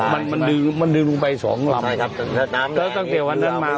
มันมันดึงมันดึงลงไปสองลำใช่ครับแล้วตั้งแต่วันนั้นมา